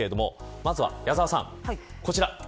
まず矢沢さん、こちら。